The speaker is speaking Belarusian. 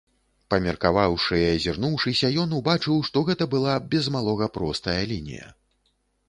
Памеркаваўшы і азірнуўшыся, ён убачыў, што гэта была, без малога, простая лінія.